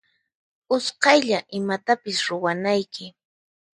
Usqaylla imatapis ruwanayki.